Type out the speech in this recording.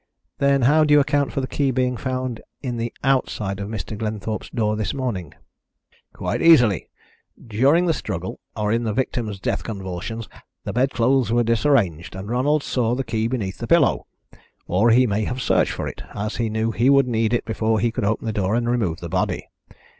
"Then how do you account for the key being found in the outside of Mr. Glenthorpe's door this morning?" "Quite easily. During the struggle or in the victim's death convulsions the bed clothes were disarranged, and Ronald saw the key beneath the pillow. Or he may have searched for it, as he knew he would need it before he could open the door and remove the body.